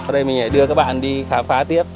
đây mình sẽ đưa các bạn đi khám phá tiếp